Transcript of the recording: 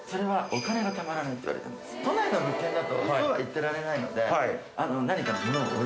都内の物件だとそうは言ってられないので。